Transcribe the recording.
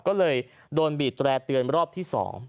ก็เลยโดนบีบแตร่เตือนรอบที่๒